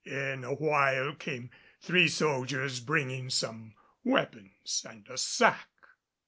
In a while came three soldiers bringing some weapons and a sack.